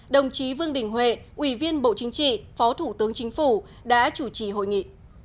đồng chí vương đình huệ ủy viên bộ chính trị phó thủ tướng chính phủ đã chủ trì hội nghị